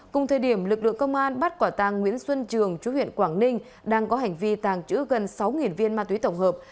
cùng thời điểm lực lượng công an bắt quả tàng nguyễn xuân trường chú huyện quảng ninh đang có hành vi tàng trữ gần sáu viên ma túy tổng hợp